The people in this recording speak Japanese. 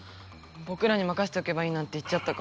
ぼくらにまかせておけばいいなんて言っちゃったから。